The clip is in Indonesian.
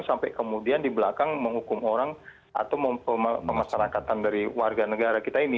sampai kemudian di belakang menghukum orang atau pemasarakatan dari warga negara kita ini